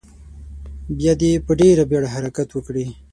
بیا دې په ډیره بیړه حرکت وکړي.